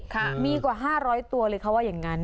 มีกว่า๕๐๐ตัวเลยเขาว่าอย่างนั้น